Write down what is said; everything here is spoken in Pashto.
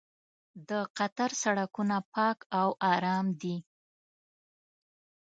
د قطر سړکونه پاک او ارام دي.